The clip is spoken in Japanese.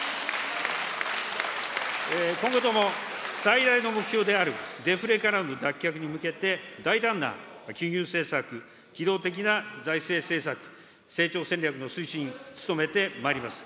今後とも最大の目標であるデフレからの脱却に向けて、大胆な金融政策、機動的な財政政策、成長戦略の推進に努めてまいります。